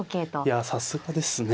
いやさすがですね。